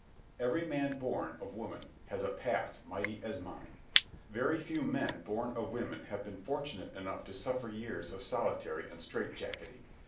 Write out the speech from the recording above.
Every man born of woman has a past mighty as mine. Very few men born of women have been fortunate enough to suffer years of solitary and strait jacketing.